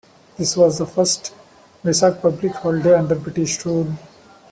This was the first Vesak public holiday under British rule.